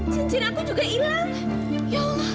cincin aku hilang